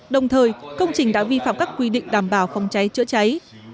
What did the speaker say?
đồng thời công trình đã vi phạm các quy định đảm bảo phòng cháy chữa cháy